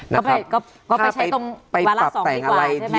ก็ไปกับใช้ตรงวาระสองดีกว่าใช่มั้ย